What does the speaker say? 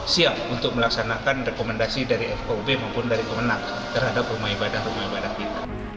siap untuk melaksanakan rekomendasi dari fkub maupun dari kemenang terhadap rumah ibadah rumah ibadah kita